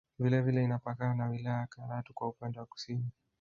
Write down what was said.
Vile vile inapakana na wilaya ya Karatu kwa upande wa Kusini